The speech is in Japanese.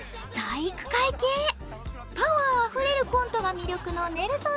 パワーあふれるコントが魅力のネルソンズさん。